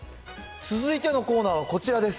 続いてのコーナーはこちらです。